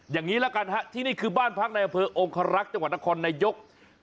อย่างนี้ละกันฮะที่นี่คือบ้านพักในอำเภอองคารักษ์จังหวัดนครนายก